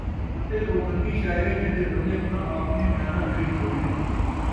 اَتے او گندی شَئے ہے، جیندے بدلے اُنھاں آپڑیں جاناں ویچ چھوڑئن،